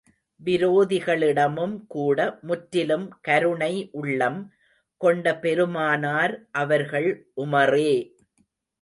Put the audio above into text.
விரோதிகளிடமும் கூட முற்றிலும் கருணை உள்ளம் கொண்ட பெருமானார் அவர்கள் உமறே!